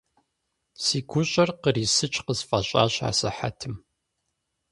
Си гущӀэр кърисыкӀ къысфӀэщӀащ асыхьэтым.